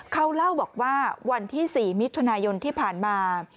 เขาเล่าบอกว่าวันที่๔มิถุนายนที่ผ่านมา